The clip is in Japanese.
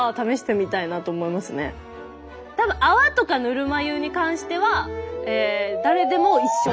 泡とかぬるま湯に関しては誰でも一緒。